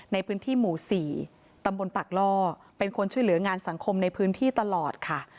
ในพื้นที่หมู่๔ตำบลปากล่อเป็นคนช่วยเหลืองานสังคมในพื้นที่ตลอดค่ะ